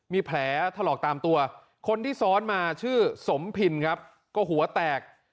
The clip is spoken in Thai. มีแผลถลอกตามตัวคนที่ซ้อนมาชื่อสมพินครับก็หัวแตก